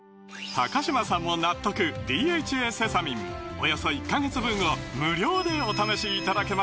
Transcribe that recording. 高嶋さんも納得「ＤＨＡセサミン」およそ１カ月分を無料でお試しいただけます